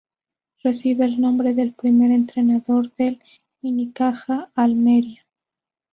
Recibe el nombre del primer entrenador del Unicaja Almería.